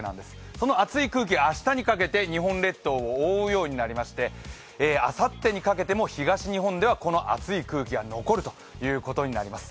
その暑い空気、明日にかけて日本列島を覆うようになってあさってにかけても東日本ではこの熱い空気が残ることになります。